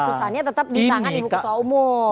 keputusannya tetap di tangan ibu ketua umum